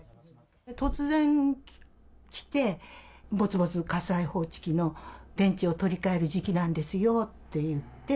突然来て、ぼちぼち火災報知器の電池を取り替える時期なんですよっていって。